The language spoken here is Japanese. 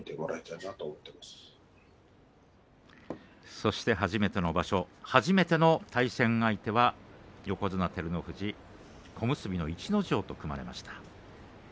そして初めての場所初めての対戦相手は横綱照ノ富士小結の逸ノ城と組まれました。